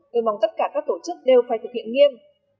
tôi mong tất cả các tổ chức đều phải thực hiện nghiêm